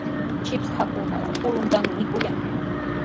Chipshakunaqa kurukunatami mikuyan.